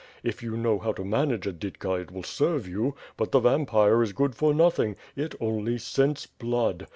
If you know how to manage a didka, it will serve you, but the vampire is good for nothing; it only scents blood.